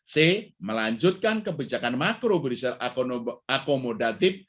c melanjutkan kebijakan makro berisir akomodatif